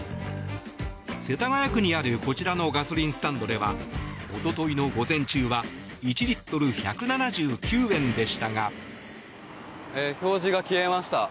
世田谷区にあるこちらのガソリンスタンドでは一昨日の午前中は１リットル１７９円でしたが。